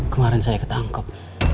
kemarin saya ketangkep